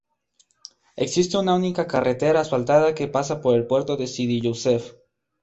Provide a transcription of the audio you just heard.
Existe una única carretera asfaltada que pasa por el puerto de Sidi Youssef.